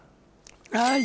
はい。